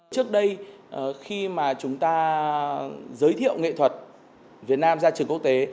trước đây khi mà chúng ta giới thiệu nghệ thuật việt nam ra trường quốc tế